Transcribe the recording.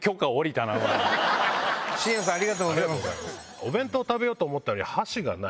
お弁当を食べようと思ったら箸がない。